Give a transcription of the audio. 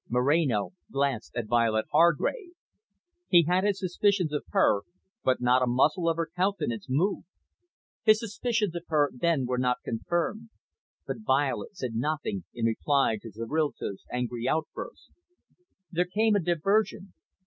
Moreno glanced at Violet Hargrave. He had his suspicions of her, but not a muscle of her countenance moved. His suspicions of her then were not confirmed. But Violet said nothing in reply to Zorrilta's angry outburst. There came a diversion.